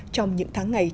trong những tháng ngày trước